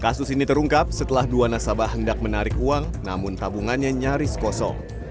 kasus ini terungkap setelah dua nasabah hendak menarik uang namun tabungannya nyaris kosong